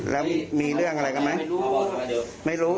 แล้วมีเรื่องอะไรกันไหมไม่รู้